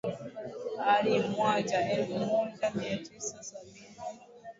hadi mwaja elfu moja mia tisa sabini